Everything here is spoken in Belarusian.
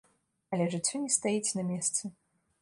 Але жыццё не стаіць на месцы.